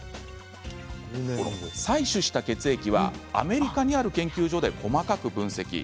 採取した血液は、アメリカにある研究所で細かく分析。